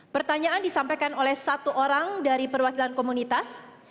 pertanyaan disampaikan oleh satu orang dari perwakilan komunitas